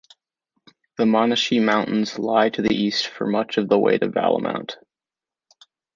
The Monashee Mountains lie to the east for much of the way to Valemount.